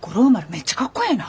めっちゃかっこええな。